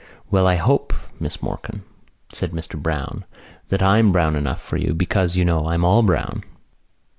"Well, I hope, Miss Morkan," said Mr Browne, "that I'm brown enough for you because, you know, I'm all brown."